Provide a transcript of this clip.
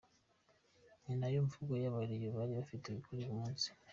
Ni nayo mvugo aba-Rayon bari bafite kuri uyu munsi.